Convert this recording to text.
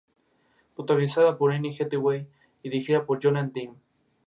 Protagonizada por Anne Hathaway y dirigida por Jonathan Demme.